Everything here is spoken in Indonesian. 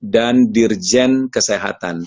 dan dirjen kesehatan